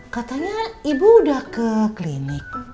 katanya ibu udah ke klinik